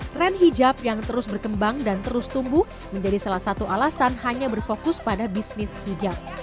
tren hijab yang terus berkembang dan terus tumbuh menjadi salah satu alasan hanya berfokus pada bisnis hijab